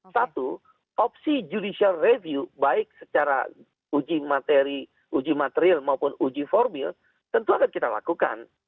satu opsi judicial review baik secara uji materi uji material maupun uji formil tentu akan kita lakukan